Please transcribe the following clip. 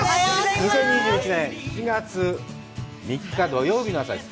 ２０２１年７月３日、土曜日の朝です。